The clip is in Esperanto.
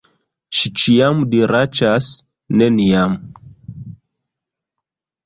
Ŝi ĉiam diraĉas, "Neniam!"